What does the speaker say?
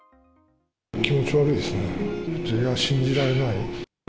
気持ち悪いですね、信じられない。